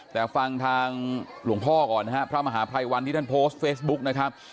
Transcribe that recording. แต่ฟังทางหลวงพ่อก่อนนะฮะพระมหาภัยวันที่ท่านโพสต์เฟซบุ๊กนะครับ